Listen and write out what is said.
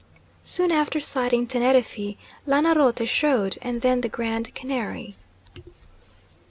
Soon after sighting Teneriffe, Lancarote showed, and then the Grand Canary.